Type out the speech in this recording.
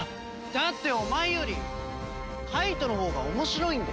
だってお前より介人のほうが面白いんだよ。